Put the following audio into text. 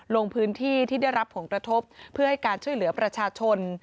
ลงพื้นที่ที่ได้รับผลกระทบเพื่อให้การช่วยเหลือประชาชน